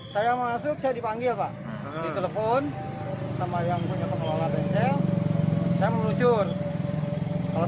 saya masuk saya dipanggil pak ditelepon sama yang punya pengelola bengkel saya meluncur kalau